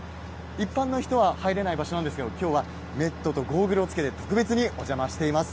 一般の人は入れない場所なんですけど、きょうはメットとゴーグルをつけて、特別にお邪魔しています。